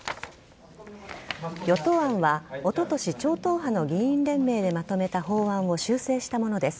与党案はおととし超党派の議員連盟でまとめた法案を修正したものです。